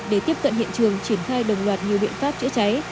để tiếp cận hiện trường triển khai đồng loạt nhiều biện pháp chữa cháy